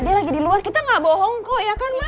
dia lagi di luar kita gak bohong kok ya kan